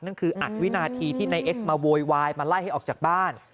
นั่นคืออัดวินาทีที่นายเอสมาโวยวายมาไล่ให้ออกจากบ้าน